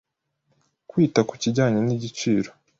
kwita ku kijyanye n’igiciro